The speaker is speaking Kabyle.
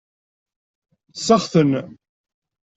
Sexten.